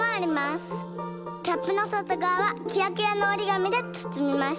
キャップのそとがわはキラキラのおりがみでつつみました。